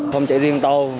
không chạy riêng tàu